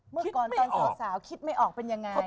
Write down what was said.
เมื่อก่อนตอนสาวคิดไม่ออกเป็นยังไง